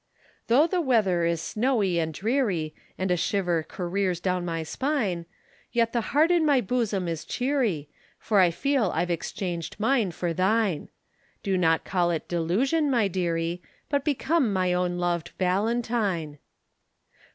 Though the weather is snowy and dreary And a shiver careers down my spine, Yet the heart in my bosom is cheery, For I feel I've exchanged mine for thine. Do not call it delusion, my dearie, But become my own loved Valentine.